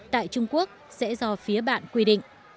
tại trung quốc sẽ do phía bạn quy định